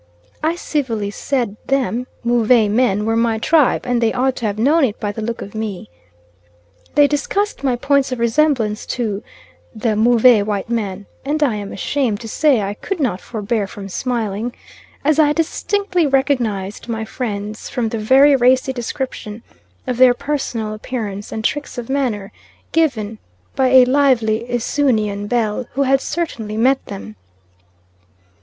I civilly said them Move men were my tribe, and they ought to have known it by the look of me. They discussed my points of resemblance to "the Move white man," and I am ashamed to say I could not forbear from smiling, as I distinctly recognised my friends from the very racy description of their personal appearance and tricks of manner given by a lively Esoonian belle who had certainly met them.